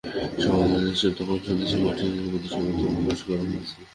সবাই যখন নিশ্চুপ, তখন স্বদেশি মার্টিনোর প্রতি সমর্থন প্রকাশ করেন মেসি।